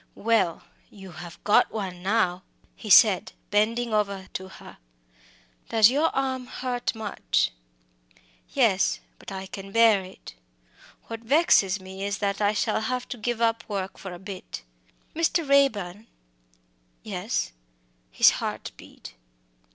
"Well, you have got one now," he said, bending over to her. "Does your arm hurt you much?" "Yes, but I can bear it. What vexes me is that I shall have to give up work for a bit. Mr. Raeburn!" "Yes." His heart beat.